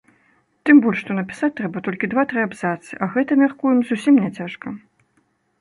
Тым больш, што напісаць трэба толькі два-тры абзацы, а гэта, мяркуем, зусім не цяжка.